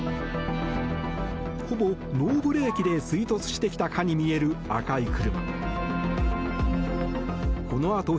ほぼノーブレーキで追突してきたかに見える赤い車。